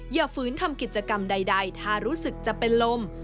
ฝืนทำกิจกรรมใดถ้ารู้สึกจะเป็นลม